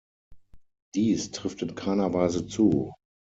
Dies trifft in keiner Weise zu.